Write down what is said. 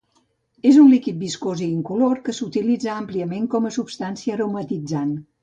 És un líquid viscós i incolor que s'utilitza àmpliament com a substància aromatitzant.